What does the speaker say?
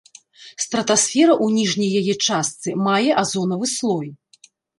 Стратасфера ў ніжняй яе частцы мае азонавы слой.